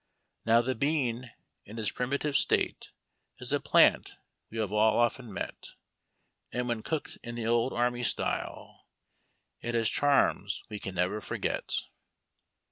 Now the bean, in its primitive state, Is a plant we have all often met ; And when cooked in the old army style It has charms we can never forget.